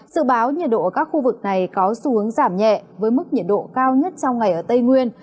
sự báo nhiệt độ ở các khu vực này có xu hướng giảm nhẹ với mức nhiệt độ cao nhất trong ngày ở tây nguyên